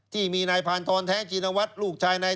ที่มีนายผ่านทรแท้จีนะวัดลูกชายนาย